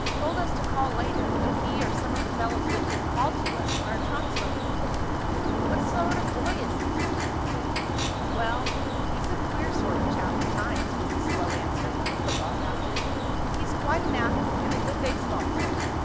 Told us to call later, though he, or some of the fellows with him called to us when our trunks were being put in. What sort of boy is he?" "Well, he's a queer sort of chap at times," was the slow answer from the football captain. "He's quite an athlete, and a good baseball player.